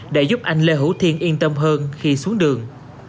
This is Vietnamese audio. để giúp anh lê hữu thiên yên tâm hơn khi xuống đường